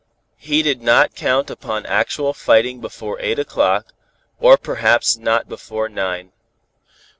He did not count upon actual fighting before eight o'clock, or perhaps not before nine.